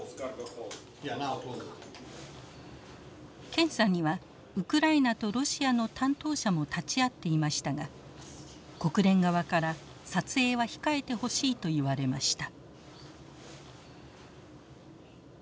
検査にはウクライナとロシアの担当者も立ち会っていましたが国連側から撮影は控えてほしいと言われました。